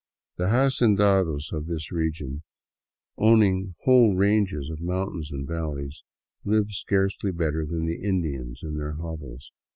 The hacendados of this region, owning whole ranges of moun tains and valleys, live scarcely better than the Indians in their hovels.